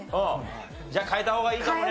じゃあ変えた方がいいかもね。